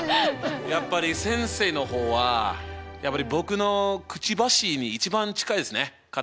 やっぱり先生の方は僕のくちばしに一番近いっすね形。